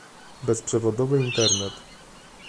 bezprzewodowy Internet